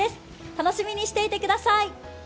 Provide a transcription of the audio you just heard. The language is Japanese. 楽しみにしていてください！